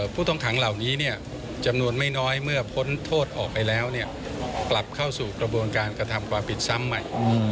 ผู้ต้องขังเหล่านี้จำนวนไม่น้อยเมื่อพ้นโทษออกไปแล้วกลับเข้าสู่กระบวนการกระทำความผิดซ้ำใหม่